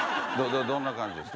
どんな感じですか。